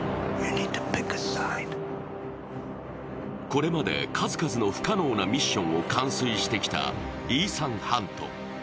これまで数々の不可能なミッションを完遂してきたイーサン・ハント。